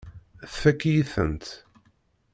Tfakk-iyi-tent.